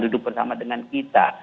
hidup bersama dengan kita